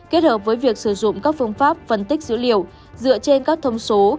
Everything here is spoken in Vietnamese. kết hợp với việc sử dụng các phương pháp phân tích dữ liệu dựa trên các thông số